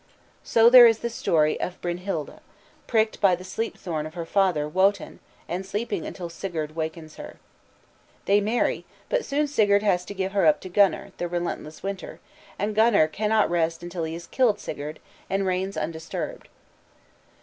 So there is the story of Brynhild, pricked by the "sleep thorn" of her father, Wotan, and sleeping until Sigurd wakens her. They marry, but soon Sigurd has to give her up to Gunnar, the relentless winter, and Gunnar cannot rest until he has killed Sigurd, and reigns undisturbed.